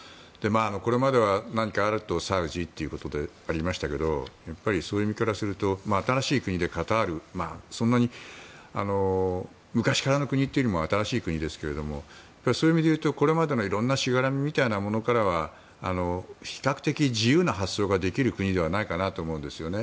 これまでは何かあるとサウジということでありましたがそういう意味からすると新しい国でカタール、そんなに昔からの国というよりも新しい国ですけれどもそういう意味で言うとこれまでの色んなしがらみみたいなものからは比較的自由な発想ができる国ではないかなと思うんですよね。